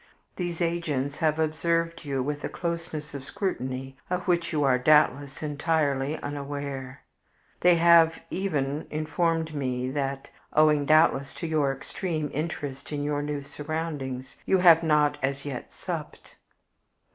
These agents have observed you with a closeness of scrutiny of which you are doubtless entirely unaware. They have even informed me that, owing doubtless to your extreme interest in your new surroundings, you have not as yet supped.